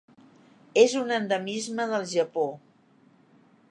És un endemisme del Japó.